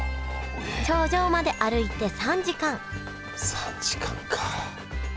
頂上まで歩いて３時間３時間か。